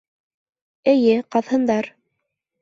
Эйе, ҡаҙһындар.